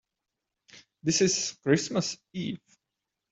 This is Christmas Eve.